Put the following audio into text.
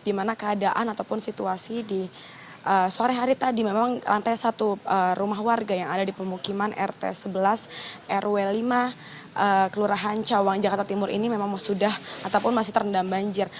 di mana keadaan ataupun situasi di sore hari tadi memang lantai satu rumah warga yang ada di pemukiman rt sebelas rw lima kelurahan cawang jakarta timur ini memang sudah ataupun masih terendam banjir